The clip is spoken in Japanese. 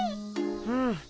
うん。